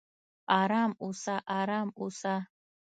"ارام اوسه! ارام اوسه!"